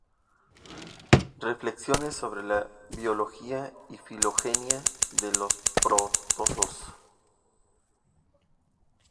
Reflexiones sobre la biología y filogenia de los protozoos"".